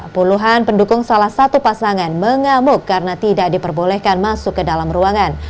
puluhan pendukung salah satu pasangan mengamuk karena tidak diperbolehkan masuk ke dalam ruangan